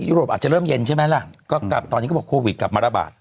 โรปอาจจะเริ่มเย็นใช่ไหมล่ะก็กลับตอนนี้ก็บอกโควิดกลับมาระบาด